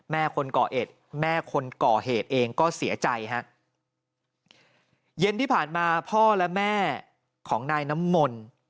แม่คนก่อเหตุแม่คนก่อเหตุเองก็เสียใจฮะเย็นที่ผ่านมาพ่อและแม่ของนายน้ำมนต์